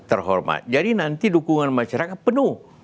terhormat jadi nanti dukungan masyarakat penuh